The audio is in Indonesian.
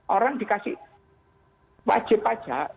orang dikasih wajib pajak